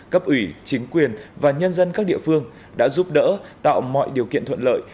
cấp ủy chính quyền và nhân dân các địa phương đã giúp đỡ tạo mọi điều kiện thuận lợi